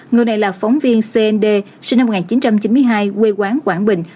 người này là phóng viên cnd sinh năm một nghìn chín trăm chín mươi hai quê quán quảng bình